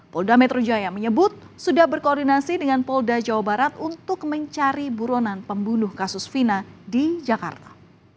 polda metro jaya menyebut sudah berkoordinasi dengan polda jawa barat untuk mencari buronan pembunuh kasus fina di jakarta